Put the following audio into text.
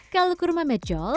kalau kurma mejol